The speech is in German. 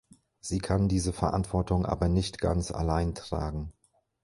Sie kann diese Verantwortung aber nicht ganz allein tragen.